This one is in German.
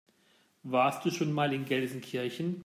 Warst du schon mal in Gelsenkirchen?